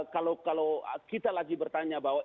kalau kita lagi bertanya bahwa